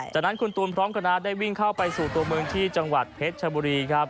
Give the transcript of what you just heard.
จากนั้นคุณตูนพร้อมคณะได้วิ่งเข้าไปสู่ตัวเมืองที่จังหวัดเพชรชบุรีครับ